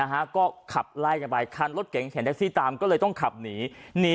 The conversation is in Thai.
ฮะก็ขับไล่กันไปคันรถเก๋งเห็นแท็กซี่ตามก็เลยต้องขับหนีหนี